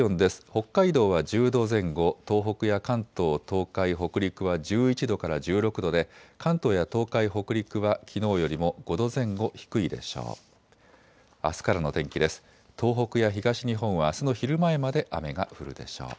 北海道は１０度前後、東北や関東、東海、北陸は１１度から１６度で関東や東海、北陸はきのうよりも５度前後低いでしょう。